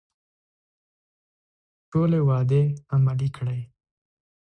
ټولې وعدې عملي کړي.